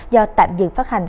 do tạm dự phát hành